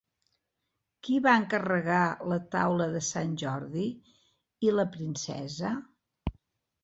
Qui va encarregar la taula de Sant Jordi i la princesa?